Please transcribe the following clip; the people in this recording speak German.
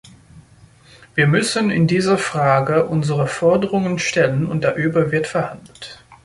Wir müssen in dieser Frage unsere Forderungen stellen, und darüber wird verhandelt.